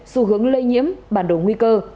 xu hướng lây nhiễm bản đồ nguy cơ